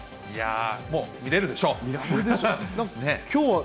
いやー、もう見れるでしょう。